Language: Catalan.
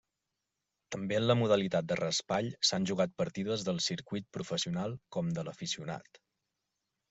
També en la modalitat de raspall s'han jugat partides del circuit professional com de l'aficionat.